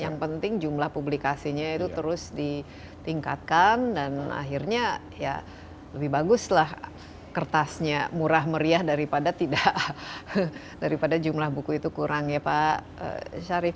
yang penting jumlah publikasinya itu terus ditingkatkan dan akhirnya ya lebih baguslah kertasnya murah meriah daripada tidak daripada jumlah buku itu kurang ya pak syarif